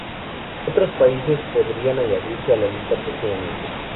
Otros países podrían añadirse a la lista próximamente.